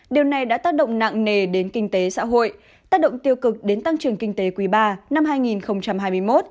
điều này đã tác động nặng nề đến kinh tế xã hội tác động tiêu cực đến tăng trưởng kinh tế quý ba năm hai nghìn hai mươi một